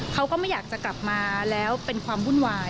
เขาก็ไม่อยากจะกลับมาแล้วเป็นความวุ่นวาย